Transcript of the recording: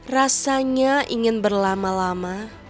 rasanya ingin berlama lama